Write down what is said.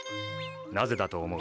なぜだと思う？